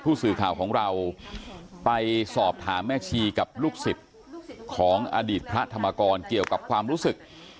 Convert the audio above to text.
ผู้สื่อข่าวของเราไปสอบถามแม่ชีกับลูกศิษย์ของอดีตพระธรรมกรเกี่ยวกับความรู้สึก